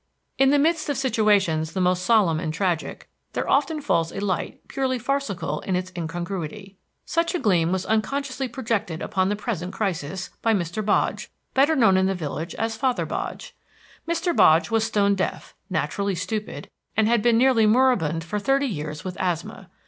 In the midst of situations the most solemn and tragic there often falls a light purely farcical in its incongruity. Such a gleam was unconsciously projected upon the present crisis by Mr. Bodge, better known in the village as Father Bodge. Mr. Bodge was stone deaf, naturally stupid, and had been nearly moribund for thirty years with asthma.